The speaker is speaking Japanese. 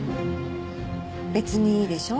別にいいでしょう？